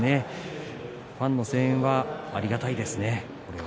ファンの声援はありがたいですね。